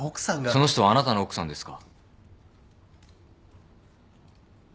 その人はあなたの奥さんですか？